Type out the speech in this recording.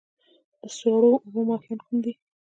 د سړو اوبو ماهیان کوم دي؟